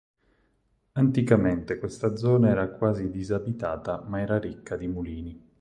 Anticamente questa zona era quasi disabitata ma era ricca di mulini.